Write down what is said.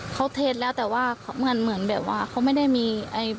เขาเทสแล้วแต่ว่าเหมือนแบบว่าเขาไม่ได้มี